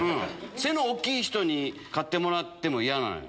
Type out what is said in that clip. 背の大きい人に買ってもらっても嫌なのよ。